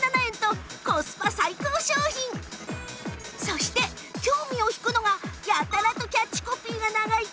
そして興味を引くのがやたらとキャッチコピーが長い